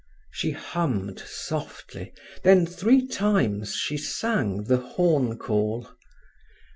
She hummed softly, then three times she sang the horn call.